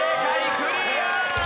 クリア！